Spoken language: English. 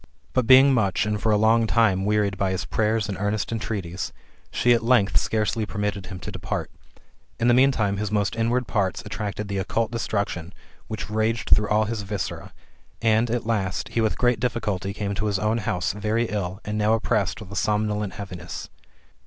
But being much, and for a long time, wearied by his prayers and earnest entreaties, she at length scarcely permitted him to depart. In the meantime, his most inward parts attracted the occult destruction which raged through all his viscera ; and, at last, he with great difficulty came to his own house, very ill, and now oppressed with a somnolent heaviness.